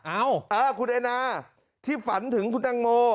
อ้าวคุณอันน่าที่ฝันถึงคุณตังโม